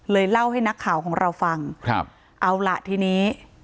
เล่าให้นักข่าวของเราฟังครับเอาล่ะทีนี้